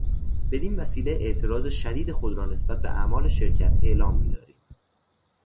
بدینوسیله اعتراض شدید خود را نسبت به اعمال شرکت اعلام میداریم.